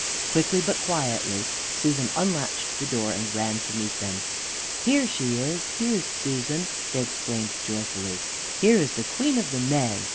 Quickly but quietly Susan unlatched the door and ran to meet them. "Here she is! here's Susan!" they exclaimed joyfully. "Here's the Queen of the May!"